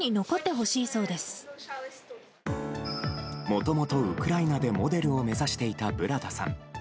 もともと、ウクライナでモデルを目指していたブラダさん。